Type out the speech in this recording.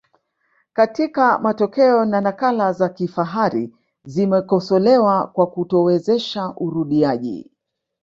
katika matokeo na nakala za kifahari zimekosolewa kwa kutowezesha urudiaji